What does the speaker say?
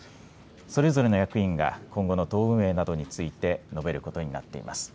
それぞれの役員が、今後の党運営などについて述べることになっています。